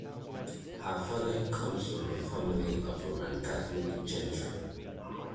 Her father comes from a family of Roman Catholic gentry.